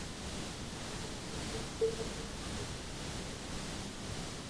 কিন্তু সাচিবিক কাজে বিলম্বের কারণে তারা অবৈধ ভোট গ্রহণ বন্ধ করতে পারেনি।